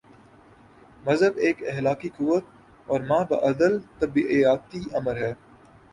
مذہب ایک اخلاقی قوت اور مابعد الطبیعیاتی امر ہے۔